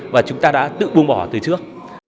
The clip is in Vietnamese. và chúng ta đã tự buông bỏ từ trước